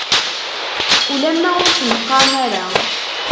Ulamma ur ten-qqaren ara.